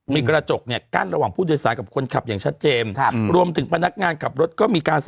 มีกระจกกั้นระหว่างผู้โดยสารกับคนขับอย่างชัดเจม